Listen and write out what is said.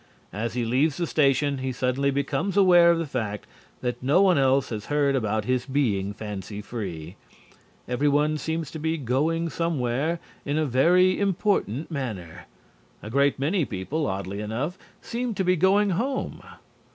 As he leaves the station he suddenly becomes aware of the fact that no one else has heard about his being fancy free. Everyone seems to be going somewhere in a very important manner. A great many people, oddly enough seem to be going home.